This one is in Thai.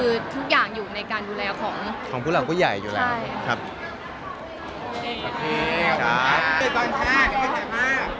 คือทุกอย่างอยู่ในการดูแลของของผู้หลังก็ใหญ่อยู่แล้ว